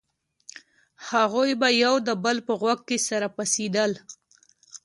هغوى به يو د بل په غوږ کښې سره پسېدل.